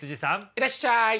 いらっしゃい。